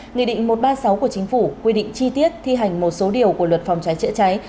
nghị định một trăm ba mươi sáu của chính phủ quy định chi tiết thi hành một số điều của luật phòng trái trịa trái